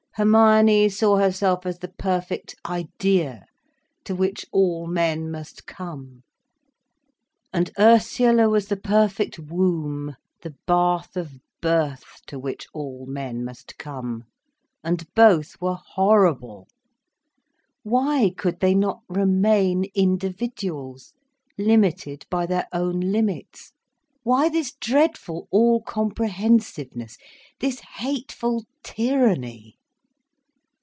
Hermione saw herself as the perfect Idea, to which all men must come: And Ursula was the perfect Womb, the bath of birth, to which all men must come! And both were horrible. Why could they not remain individuals, limited by their own limits? Why this dreadful all comprehensiveness, this hateful tyranny?